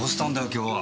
今日は。